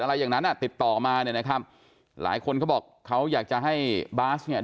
อะไรอย่างนั้นอ่ะติดต่อมาเนี่ยนะครับหลายคนเขาบอกเขาอยากจะให้บาสเนี่ย